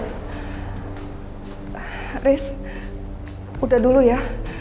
haris udah dulu ya